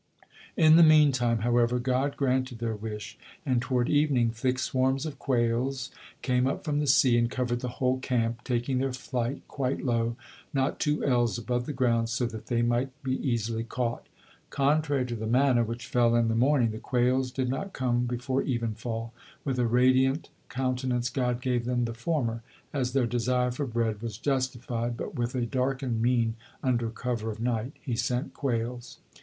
In the meantime, however, God granted their wish, and toward evening thick swarms of quails came up from the sea, and covered the whole camp, taking their flight quite low, not two ells above the ground, so that they might be easily caught. Contrary to the manna, which fell in the morning, the quails did not come before evenfall; with a radiant countenance God gave them the former, as their desire for bread was justified, but with a darkened mien, under cover of night, He sent quails.